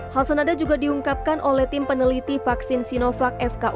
hal senada juga diungkapkan oleh tim peneliti vaksin sinovac fku